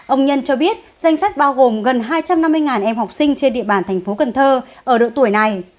ông nhân cho biết danh sách bao gồm gần hai trăm năm mươi em học sinh trên địa bàn tp hcm ở độ tuổi này